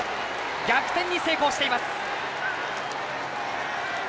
逆転に成功しています。